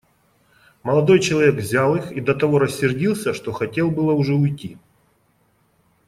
Молодой человек взял их и до того рассердился, что хотел было уже уйти.